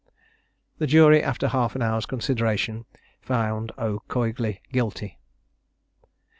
The jury, after about half an hour's consideration, found O'Coigley Guilty.